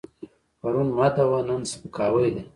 پرون مدح وه، نن سپکاوی دی.